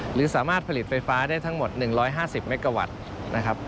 หรือสามารถผลิตไฟฟ้าได้ทั้งหมด๑๕๐เมกาวัตต์นะครับ